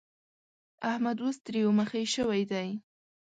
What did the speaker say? احمد اوس تريو مخی شوی دی.